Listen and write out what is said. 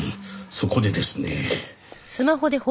そこでですね。